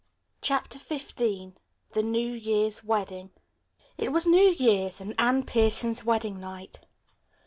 CHAPTER XV THE NEW YEAR'S WEDDING It was New Year's, and Anne Pierson's wedding night.